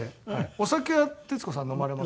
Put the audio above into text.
お酒は徹子さん飲まれますか？